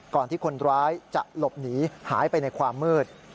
ที่คนร้ายจะหลบหนีหายไปในความมืด